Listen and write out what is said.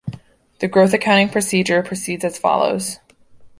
The growth accounting procedure proceeds as follows.